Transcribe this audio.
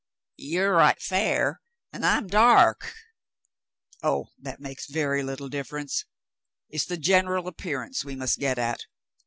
'* "You're right fair, an' I'm dark." "Oh, that makes very little difference. It's the general appearance we must get at.